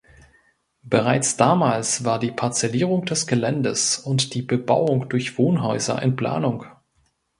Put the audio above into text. Bereits damals war die Parzellierung des Geländes und die Bebauung durch Wohnhäuser in Planung.